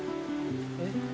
えっ？